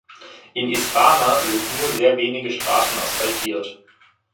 In Isfana sind nur sehr wenige Straßen asphaltiert.